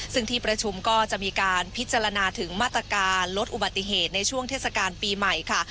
ซึ่งที่ประชุมก็จะมีการพิจารณาถึงมาตรการลดอุบัติเหตุในช่วงเทศกาลปีใหม่ค่ะ